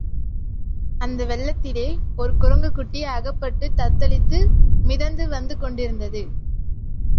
அந்த வெள்ளத்திலே ஒரு குரங்குக்குட்டி அகப்பட்டுத் தத்தளித்து மிதந்து வந்து கொண்டிருந்தது.